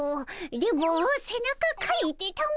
電ボせなかかいてたも。